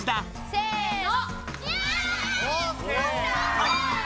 せの！